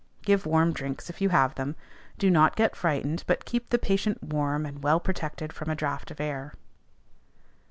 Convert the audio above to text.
Give warm drinks if you have them. Do not get frightened, but keep the patient warm, and well protected from a draught of air.